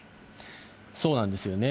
そうなんですよね。